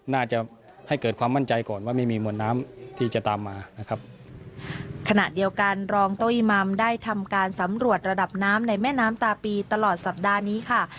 น่าจะให้เกิดความมั่นใจก่อนว่าไม่มีมวลน้ำที่จะตามมานะครับขณะเดียวกันรองโตอีมัมได้ทำการสำรวจระดับน้ำในแม่น้ำตาปีตลอดสัปดาห์นี้ค่ะ